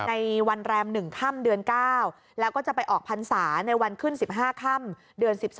ในวันแรม๑ค่ำเดือน๙แล้วก็จะไปออกพรรษาในวันขึ้น๑๕ค่ำเดือน๑๒